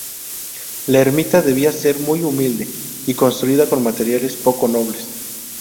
La ermita debía ser muy humilde y construida con materiales poco nobles.